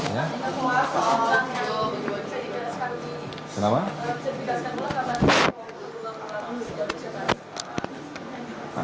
itu sudah diketahui